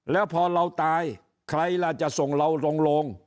แล้วพอเราตายใครล่ะจะส่งเราลง